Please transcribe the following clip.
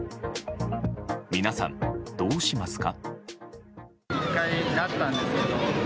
皆さん、どうしますか？